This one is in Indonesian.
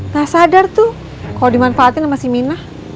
dah sadar tuh kalau dimanfaatin sama si nina